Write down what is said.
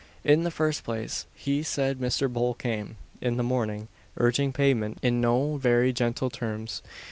In the first place, he said Mr. Bull came, in the morning, urging payment in no very gentle terms.